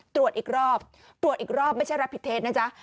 ตรวจอีกรอบตรวจอีกรอบไม่ใช่รับผิดเทสนะจ๊ะ